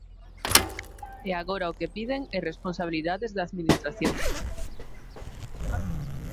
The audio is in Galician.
E agora o que piden é responsabilidades da Administración.